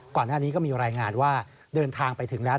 ก่อนหน้านี้ก็มีรายงานว่าเดินทางไปถึงแล้ว